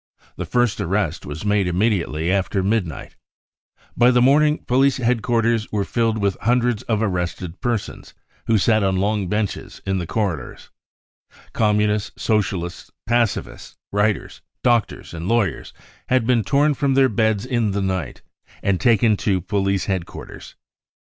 The first arrest was made immediately after midnight. By the morning, police headquarters were filled Mth hundreds of arrested persons, who sat on long benches in the corridors. Communists, Socialists, pacifists, writers, 70 BROWN BOOK OF THE HITLER TERROR doctors sfnd lawyers had been tom from their beds in the r night and taken to police headquarters.